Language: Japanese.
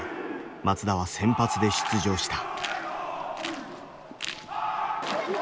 松田は先発で出場した。